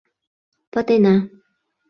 Пытена...